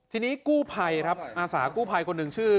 ทีนี้กู้ภัยครับอาสากู้ภัยคนหนึ่งชื่อ